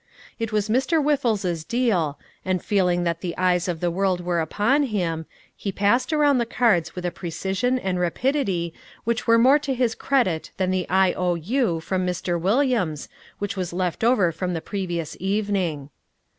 It was Mr. Whiffles's deal, and feeling that the eyes of the world were upon him, he passed around the cards with a precision and rapidity which were more to his credit than the I.O.U. from Mr. Williams which was left over from the previous meeting.